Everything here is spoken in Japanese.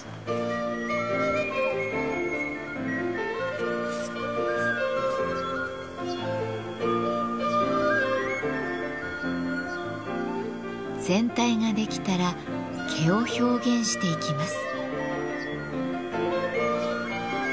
とにかく全体ができたら毛を表現していきます。